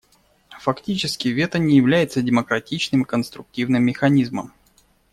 Фактически, вето не является демократичным и конструктивным механизмом.